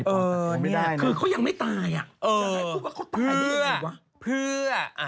โอเคเนี่ยคือเขายังไม่ตายนะบอกว่าเขาตายได้อย่างไรเพราะอ่ะเพราะอ่ะเพราะอ่ะ